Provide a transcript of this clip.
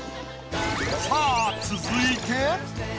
さぁ続いて。